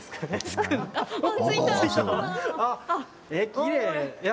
きれい。